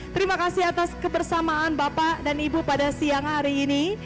terima kasih atas kebersamaan bapak dan ibu pada siang hari ini